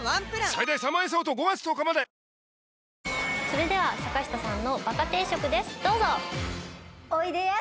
それでは坂下さんのバカ定食です。